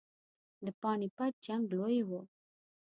د پاني پټ جنګ لوی وو.